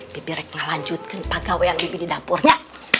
bibi rek nganjutkan pagawai yang dibini dapurnya